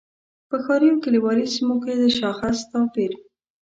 په ښاري او کلیوالي سیمو کې د شاخص توپیر.